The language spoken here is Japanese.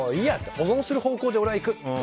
保存する方向で俺はいく。